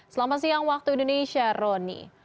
selamat siang waktu indonesia roni